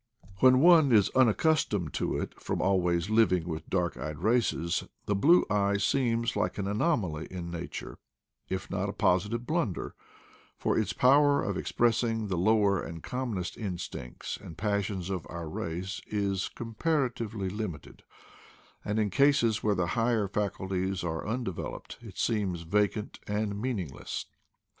When one is unaccustomed to it from always living with dark eyed races, the blue eye seems like an anomaly in nature, if not a positive blunder; for its power of expressing the lower and commonest instincts and passions of our race is compara tively limited ; and in cases where the higher facul ties are undeveloped it seems vacant and meaning less.